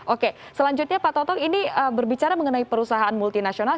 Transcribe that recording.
oke selanjutnya pak toto ini berbicara mengenai perusahaan multinasional